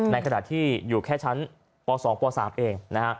ในขณะที่อยู่แค่ชั้นป๒ป๓เอง